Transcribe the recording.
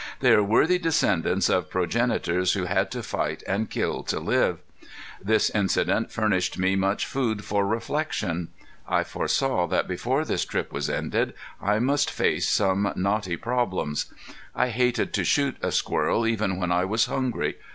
They are worthy descendants of progenitors who had to fight and kill to live. This incident furnished me much food for reflection. I foresaw that before this trip was ended I must face some knotty problems. I hated to shoot a squirrel even when I was hungry.